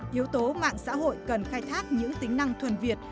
yếu tố mạng xã hội cần khai thác những tính năng thuần việt